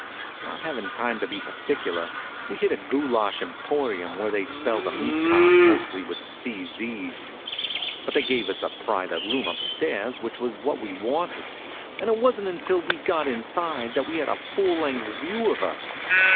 Not having time to be particular, we hit a goulash emporium where they spell the meat card mostly with cz's. But they gave us a private room upstairs, which was what we wanted. And it wasn't until we got inside that we had a full length view of her.